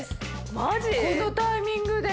マジ⁉このタイミングで。